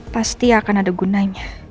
pasti akan ada gunanya